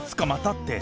って。